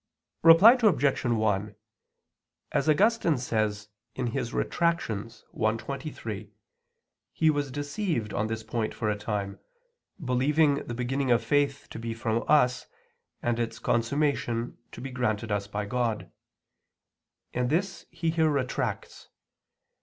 Reply Obj. 1: As Augustine says (Retract. i, 23), he was deceived on this point for a time, believing the beginning of faith to be from us, and its consummation to be granted us by God; and this he here retracts.